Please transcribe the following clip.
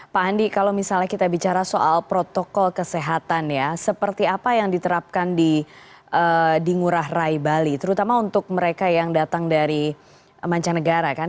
pak andi kalau misalnya kita bicara soal protokol kesehatan ya seperti apa yang diterapkan di ngurah rai bali terutama untuk mereka yang datang dari mancanegara kan